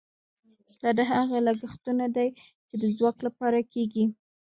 دا هغه لګښتونه دي چې د ځواک لپاره کیږي.